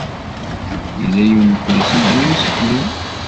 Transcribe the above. Yella yiwen n ukersi ddaw useklu.